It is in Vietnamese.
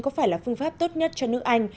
có phải là phương pháp tốt nhất cho nước anh